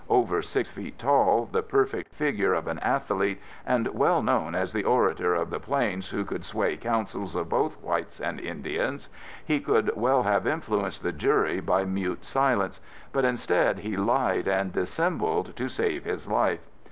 Over six feet tall, the perfect figure of an athlete and well known as the orator of the plains who could sway councils of both whites and Indians, he could well have influenced the jury by mute silence, but instead he lied and dissembled to save his life.